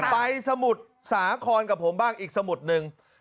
สมุทรสาครกับผมบ้างอีกสมุดหนึ่ง